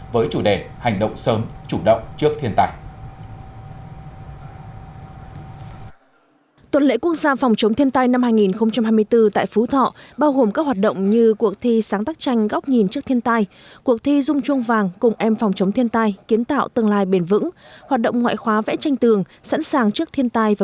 với chủ đề hành động sớm chủ động trước thiên tai